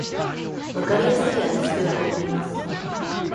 わかりやすい味付けを好みます